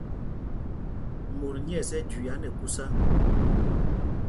Mot nyɛ̂ɛs ɛ́ jüiá nɛ kūsā.